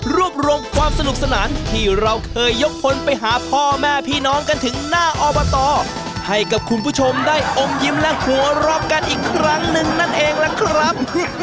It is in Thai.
รวบรวมความสนุกสนานที่เราเคยยกพลไปหาพ่อแม่พี่น้องกันถึงหน้าอบตให้กับคุณผู้ชมได้อมยิ้มและหัวเราะกันอีกครั้งหนึ่งนั่นเองล่ะครับ